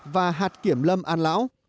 và hạt kiểm lâm an lão